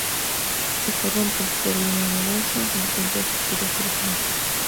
Se corrompe, pero al enamorarse, reencuentra su pureza original.